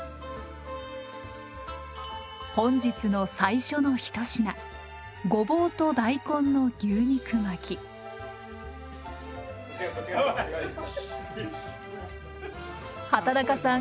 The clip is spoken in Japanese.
本日の最初の一品畠中さん